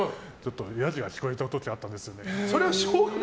野次が聞こえた時あったんですね。